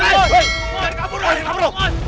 woy jangan kabur